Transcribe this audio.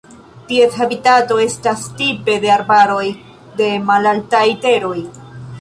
Ties habitato estas tipe de arbaroj de malaltaj teroj.